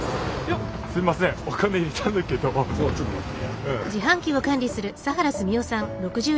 ちょっと待って。